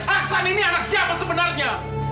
aksan ini anak siapa sebenarnya